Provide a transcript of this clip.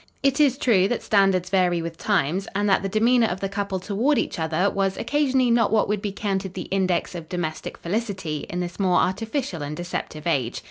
It is true that standards vary with times, and that the demeanor of the couple toward each other was occasionally not what would be counted the index of domestic felicity in this more artificial and deceptive age.